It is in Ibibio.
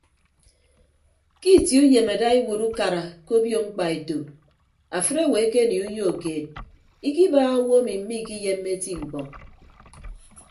Ke itie uyem ada iwuot ukara ke obio mkpaeto afịt owo ekenie uyo keed ikibaaha owo emi miikiyemme eti mkpọ.